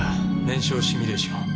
燃焼シミュレーション。